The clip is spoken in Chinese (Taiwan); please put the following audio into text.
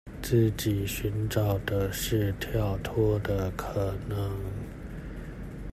自己尋找的是跳脫的可能